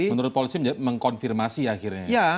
menurut polisi mengkonfirmasi akhirnya